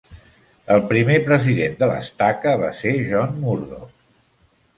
El primer president de l'estaca va ser John Murdock.